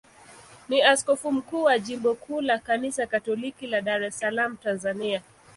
ni askofu mkuu wa jimbo kuu la Kanisa Katoliki la Dar es Salaam, Tanzania.